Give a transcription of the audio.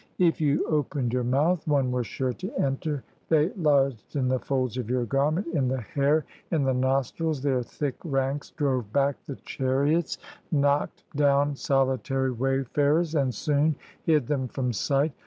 If you opened your mouth, one was sure to enter; they lodged in the folds of your garment, in the hair, in the nostrils; their thick ranks drove back the chariots, 151 EGYPT knocked down solitary wayfarers, and soon hid them from sight.